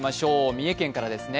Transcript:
三重県からですね。